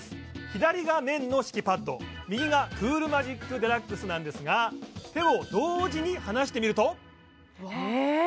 左が綿の敷パッド右がクールマジックデラックスなんですが手を同時に離してみるとええっ！？